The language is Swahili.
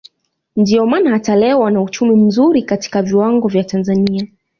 ndio maana hata leo wana uchumi mzuri katika viwango vya Tanzania